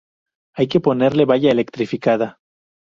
Hay que ponerle valla electrificada.